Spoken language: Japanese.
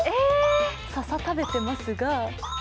ささ食べてますが。